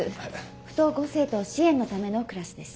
不登校生徒支援のためのクラスです。